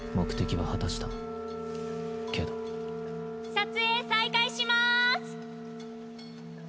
撮影、再開します！